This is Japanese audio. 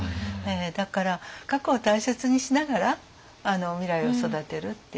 だから過去を大切にしながら未来を育てるっていう。